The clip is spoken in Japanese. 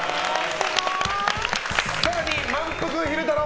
更に、まんぷく昼太郎！